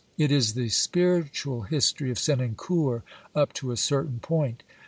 It is the spiritual history of Senancour up to a certain point.